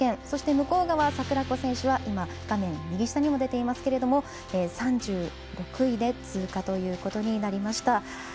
そして向川桜子選手は今、画面右下にも出ていますけれども３６位で通過ということになりました。